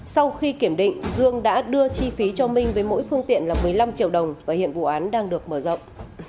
sau khi kiểm định dương đã đưa chi phí cho minh với mỗi phương tiện là một mươi năm triệu đồng và hiện vụ án đang được mở rộng